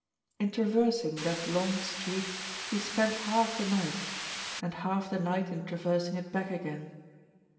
In traversing that long street he spent half the night, and half the night in traversing it back again.